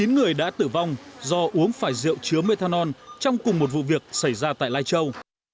chín người đã tử vong do uống phải rượu chứa methanol trong cùng một vụ việc xảy ra tại lai châu